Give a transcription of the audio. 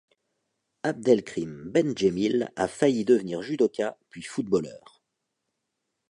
Abdelkrim Bendjemil a failli devenir judoka puis footballeur.